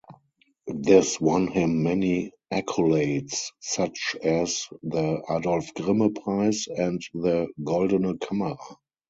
This won him many accolades, such as the Adolf-Grimme-Preis and the Goldene Kamera.